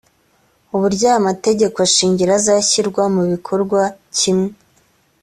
uburyo aya mategeko shingiro azashyirwa mu bikorwa kimwe